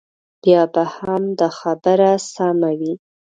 بیا به هم دا خبره سمه وي.